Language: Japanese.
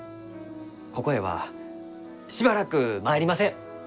ここへはしばらく参りません！